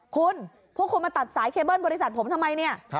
คุณพวกคุณมาตัดสายเคเบิ้ลบริษัทผมทำไมเนี่ย